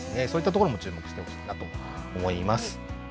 そういったところも注目してほしいなと思います。